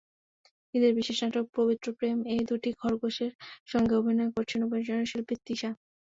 ঈদের বিশেষ নাটক পবিত্র প্রেম-এ দুটি খরগোশের সঙ্গে অভিনয় করেছেন অভিনয়শিল্পী তিশা।